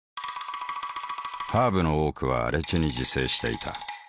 ハーブの多くは荒地に自生していた。